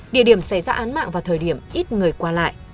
địa điểm xảy ra án mạng vào thời điểm ít người qua lại